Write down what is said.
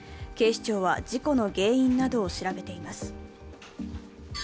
警視庁は事故の原因などを調べています。